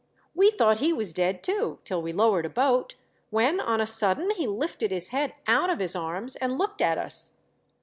We thought he was dead, too, till we lowered a boat, when on a sudden he lifted his head out of his arms and looked at us.